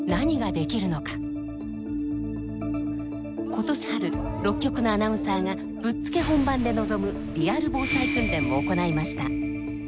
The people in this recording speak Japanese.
今年春６局のアナウンサーがぶっつけ本番で臨むリアル防災訓練を行いました。